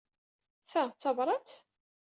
Ta d tabṛat?